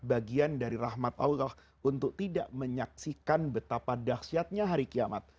bagian dari rahmat allah untuk tidak menyaksikan betapa dahsyatnya hari kiamat